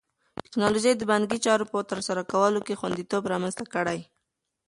ټیکنالوژي د بانکي چارو په ترسره کولو کې خوندیتوب رامنځته کړی.